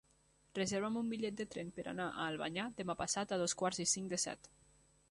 Reserva'm un bitllet de tren per anar a Albanyà demà passat a dos quarts i cinc de set.